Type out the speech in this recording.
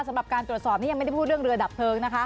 สำหรับการตรวจสอบนี่ยังไม่ได้พูดเรื่องเรือดับเพลิงนะคะ